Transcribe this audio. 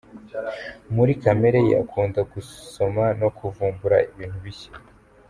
Muri kamere ye akunda gusoma no kuvumbura ibintu bishya.